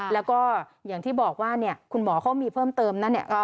แล้วก็อย่างที่บอกว่าคุณหมอเขามีเพิ่มเติมนะเนี่ย